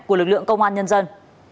của lực lượng công an nhân dân